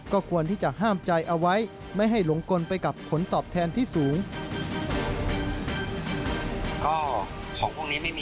ก็ควรที่จะห้ามใจเอาไว้ไม่ให้หลงกลไปกับผลตอบแทนที่สูง